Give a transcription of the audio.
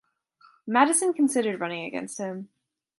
Mattison considered running against him.